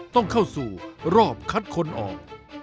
ต้องเข้าสู่รอบคัดคนออก